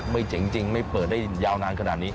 เจ๋งจริงไม่เปิดได้ยาวนานขนาดนี้